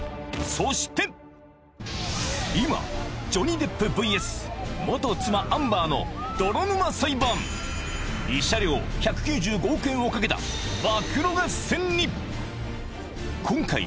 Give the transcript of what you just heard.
そして今ジョニー・デップｖｓ元妻アンバーの泥沼裁判慰謝料１９５億円をかけた暴露合戦に！